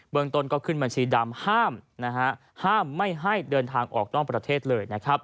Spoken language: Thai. เบื้องต้นขึ้นบัญชีดำห้ามไม่ให้เดินทางออกด้านประเทศเลย